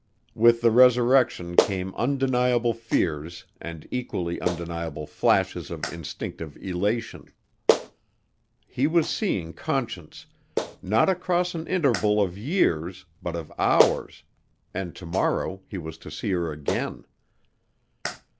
With the resurrection came undeniable fears and equally undeniable flashes of instinctive elation. He was seeing Conscience, not across an interval of years but of hours and to morrow he was to see her again.